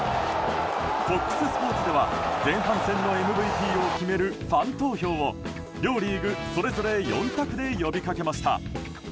ＦＯＸスポーツでは前半戦のＭＶＰを決めるファン投票を両リーグそれぞれ４択で呼びかけました。